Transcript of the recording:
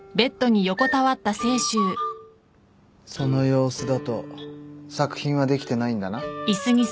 その様子だと作品はできてないんだな？